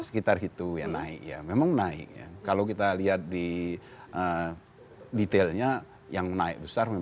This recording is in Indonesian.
sekitar itu ya naik ya memang naik ya kalau kita lihat di detailnya yang naik besar